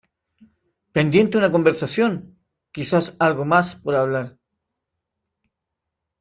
Pendiente una conversación, quizá algo más por hablar.